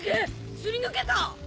すり抜けた！